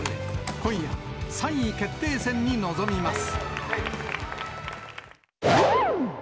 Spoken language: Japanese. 今夜、３位決定戦に臨みます。